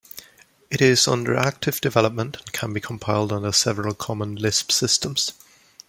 It is under active development, and can be compiled under several Common Lisp systems.